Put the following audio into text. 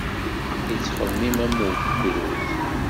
Yettxemmim am ugrud.